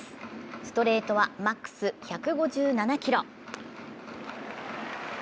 ストレートはマックス１５７キロ。